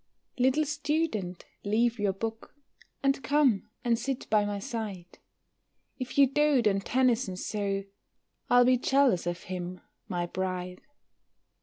Little student, leave your book, And come and sit by my side; If you dote on Tennyson so, I'll be jealous of him, my bride.